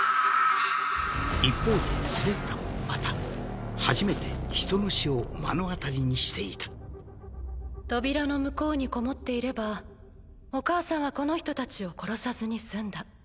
一方でスレッタもまた初めて人の死を目の当たりにしていた扉の向こうにこもっていればお母さんはこの人たちを殺さずに済んだ。